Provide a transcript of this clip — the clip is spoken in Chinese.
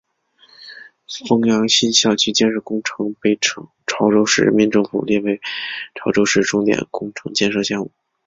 枫洋新校区建设工程被潮州市人民政府列为潮州市重点工程建设项目。